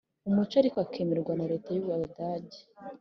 umuco ariko akemerwa na Leta y Abadage